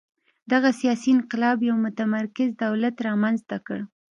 دغه سیاسي انقلاب یو متمرکز دولت رامنځته کړ.